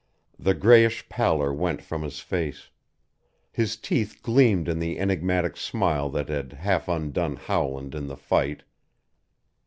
The grayish pallor went from his face. His teeth gleamed in the enigmatic smile that had half undone Howland in the fight.